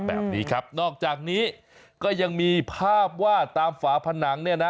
แบบนี้ครับนอกจากนี้ก็ยังมีภาพว่าตามฝาผนังเนี่ยนะ